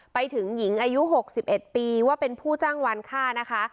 ไปถึงหญิงอายุ๖๑ปีว่าเป็นผู้จ้างวานค่านะคะ